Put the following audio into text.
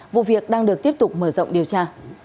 vụ việc đang được tiếp tục mở rộng điều tra